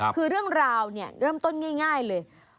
คือเรื่องราวเนี่ยเริ่มต้นง่ายเลย